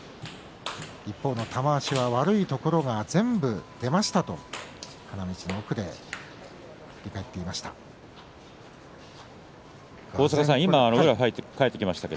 一方、玉鷲は悪いところが全部出ましたと花道の奥で話していました。